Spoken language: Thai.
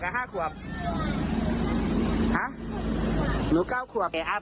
หาหนู๙ขวบ